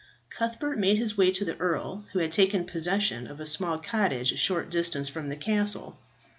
Cuthbert made his way to the earl, who had taken possession of a small cottage a short distance from the castle.